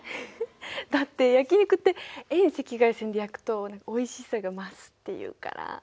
だって焼き肉って遠赤外線で焼くとおいしさが増すっていうから。